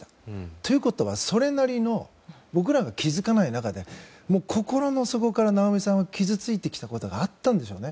ということは、それなりの僕らが気付かない中で心の底から、なおみさんは傷ついてきたことがあったんでしょうね。